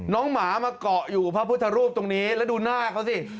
หมามาเกาะอยู่พระพุทธรูปตรงนี้แล้วดูหน้าเขาสิ